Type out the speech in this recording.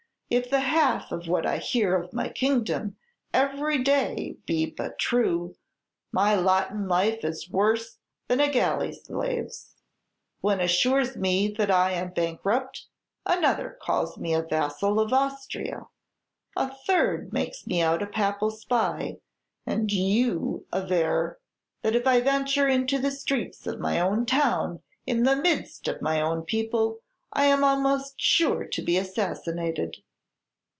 "If the half of what I hear of my kingdom every day be but true, my lot in life is worse than a galley slave's. One assures me that I am bankrupt; another calls me a vassal of Austria; a third makes me out a Papal spy; and you aver that if I venture into the streets of my own town, in the midst of my own people, I am almost sure to be assassinated!"